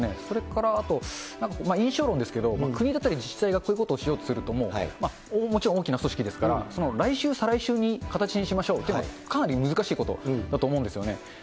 それからあと、なんか印象論ですけれども、国だったり自治体がこういうことをしようとすると、もちろん大きな組織ですから、来週、再来週に形にしましょうというのが、かなり難しいことだと思うんですよね。